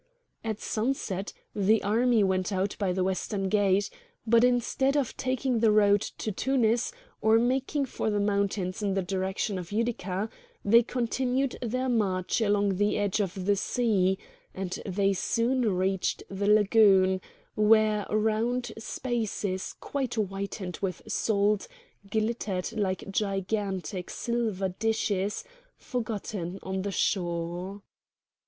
At sunset the army went out by the western gate; but instead of taking the road to Tunis or making for the mountains in the direction of Utica, they continued their march along the edge of the sea; and they soon reached the Lagoon, where round spaces quite whitened with salt glittered like gigantic silver dishes forgotten on the shore.